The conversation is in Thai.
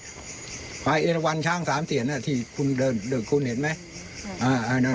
พระอาจารย์เอลวันช่างสามเตียนที่เดินคุณเห็นไหม